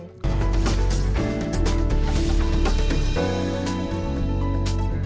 ini ruangan terakhir ya